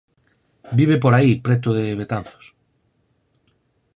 Vive por aí, preto de Betanzos...